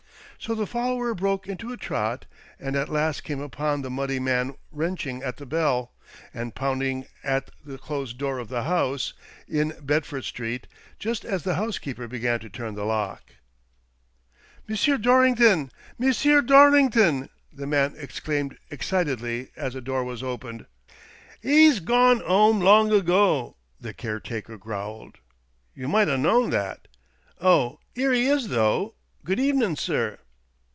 So the follower broke into a trot, and at last came upon the muddy man wrenching at the bell and pounding at the closed door of the house in Bedford Street, just as the housekeeper began to turn the lock. CASE OF THE '' MIBIiOE OF PORTUGAL'' 117 " M'sieu Dorrington — M'sieu Dorrington !" the man exclaimed, excitedly, as the door was opened. " 'E's gawn 'ome long ago," the caretaker growled; "you might 'a known that. Oh, 'ere 'e is though — good evenin', sir."